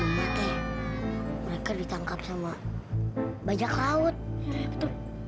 mereka ditangkap sama bajak laut